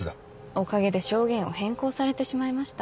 おかげで証言を変更されてしまいました。